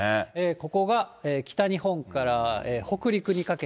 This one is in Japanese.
ここが北日本から北陸にかけて。